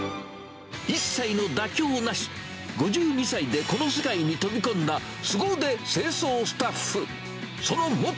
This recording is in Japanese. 一切の妥協なし、５２歳でこの世界に飛び込んだすご腕清掃スタッフ。